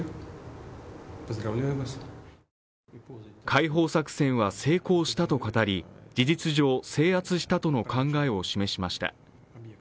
解放作戦は成功したと語り事実上、制圧したとの考えを示しました。